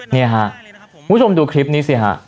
นี่ครับคุณผู้ชมดูคลิปนี้สิฮะ